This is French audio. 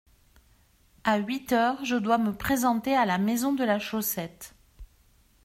À huit heures, je dois me présenter à la maison de la chaussette